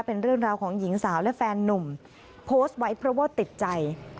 เป็นเรื่องราวของหญิงสาวและแฟนนุ่มโพสต์ไว้เพราะว่าติดใจ